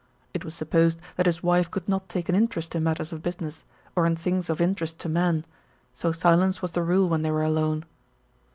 It was supposed that his wife could not take an interest in matters of business, or in things of interest to men, so silence was the rule when they were alone.